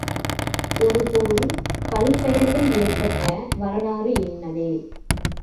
ஒரு பொருள் பல் பெயர்கள் ஏற்பட்ட வரலாறு இன்னதே.